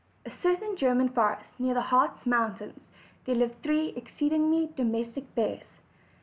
a certain German forest near the Hartz mountains there lived three exceedingly domestic bears.